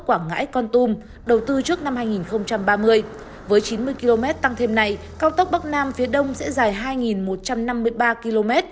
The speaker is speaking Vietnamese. điểm mới trong dự thảo là kéo dài cao tốc bắc nam phía đông sẽ dài hai một trăm năm mươi ba km